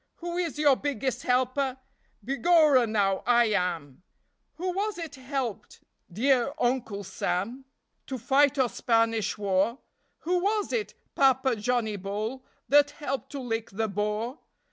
Who is your biggest helper? Begorra, now, I am ! Who was it helped, dear Uncle Sam, To fight your Spanish War? Who was it, Papa Johnnie Bull, That helped to lick the Boer?